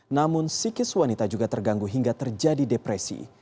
namun psikis wanita juga terganggu hingga terjadi depresi